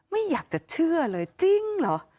ไม่อยากจะเชื่อเลยจริงเหรอ